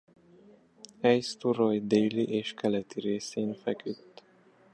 Eysturoy déli és keleti részén feküdt.